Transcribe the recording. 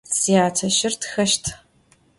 Syateşır txeşt.